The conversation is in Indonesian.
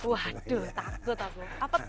waduh takut takut